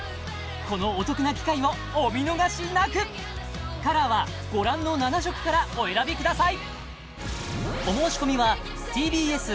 このお得な機会をお見逃しなくカラーはご覧の７色からお選びください